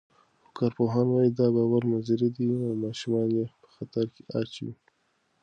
خو کارپوهان وايي، دا باور مضر دی او ماشومان یې په خطر کې اچوي.